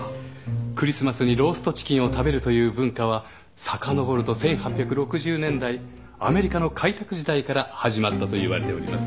クリスマスにローストチキンを食べるという文化はさかのぼると１８６０年代アメリカの開拓時代から始まったといわれております。